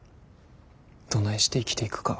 どないして生きていくか。